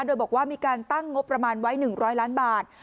โดยบอกว่ามีการตั้งงบประมาณไว้๑๐๐ล้านบาท